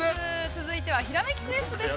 続いては、「ひらめきクエスト」です。